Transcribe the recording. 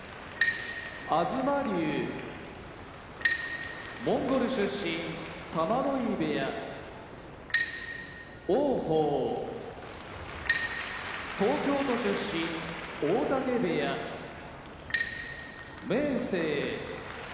東龍モンゴル出身玉ノ井部屋王鵬東京都出身大嶽部屋明生